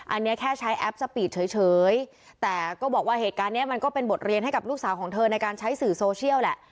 อันนี้แค่ใช้แอปสปีดเฉยแต่ก็บอกว่าเหตุการณ์เนี้ยมันก็เป็นบทเรียนให้กับลูกสาวของเธอในการใช้สื่อโซเชียลแหละ